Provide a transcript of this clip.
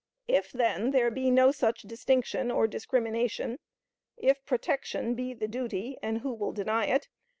If, then, there be no such distinction or discrimination; if protection be the duty (and who will deny it?)